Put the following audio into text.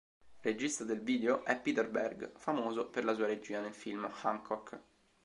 Regista del video è Peter Berg, famoso per la sua regia nel film "Hancock".